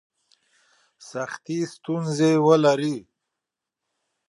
سختي ستونزي ولري.